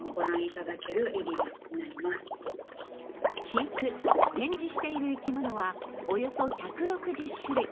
飼育展示している生き物はおよそ１６０種類。